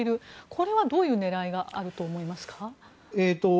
これはどういう狙いがあると思いますか？